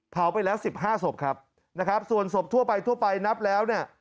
เผาไปแล้ว๑๕ศพครับนะครับส่วนศพทั่วไปนับแล้วเนี่ย